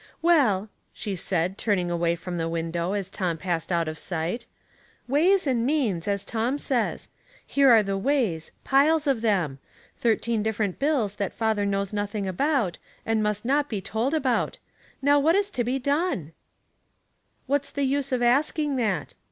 "Well," she said, turning away from the Ways and Cleans, 183 window as Tom passed out of sight, " ways and means, as Tom says, here are the ways, piles of them; thirteen different bills that father knows nothing about, and must not be told about. Now what is to be done ?" "What is the use of asking that?"